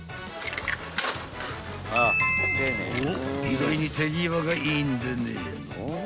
［おっ意外に手際がいいんでねえの？］